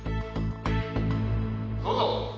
どうぞ！